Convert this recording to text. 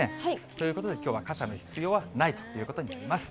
ということで、きょうは傘の必要はないということになります。